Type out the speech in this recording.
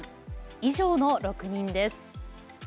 以上の６人です。